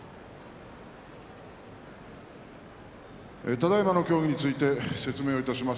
ただいまの協議について説明をいたします。